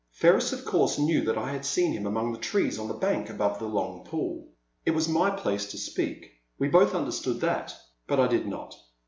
Ferris of course knew that I had seen him among the trees on the bank above the long pool. It was my place to speak ; we both understood that, but I did not.